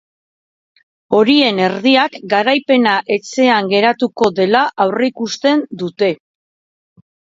Horien erdiak garaipena etxean geratuko dela aurreikusten dute.